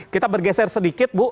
kita bergeser sedikit bu